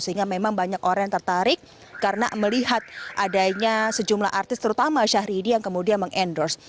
sehingga memang banyak orang yang tertarik karena melihat adanya sejumlah artis terutama syahrini yang kemudian mengendorse